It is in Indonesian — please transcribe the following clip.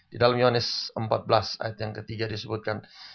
di dalam yohanes empat belas ayat yang ke tiga disebutkan